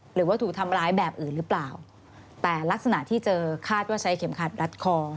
หรือว่าถูกทำร้ายแบบอื่นหรือเปล่าแต่ลักษณะที่เจอคาดว่าใช้เข็มขัดรัดคอ